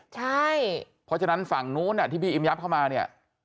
ใช่เพราะฉะนั้นฝั่งนู้นที่พี่อิมยับเข้ามาเนี่ย